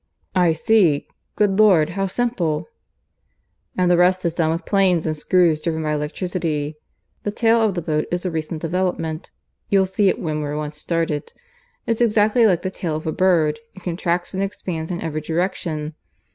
"I see. Good Lord, how simple!" "And the rest is done with planes and screws, driven by electricity. The tail of the boat is a recent development. (You'll see it when we're once started.) It's exactly like the tail of a bird, and contracts and expands in every direction.